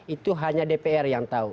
itu hanya dpr yang tahu